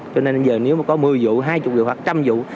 cho nên bây giờ nếu có một mươi vụ hai mươi vụ hoặc một trăm linh vụ